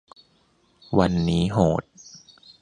วันนี้โหด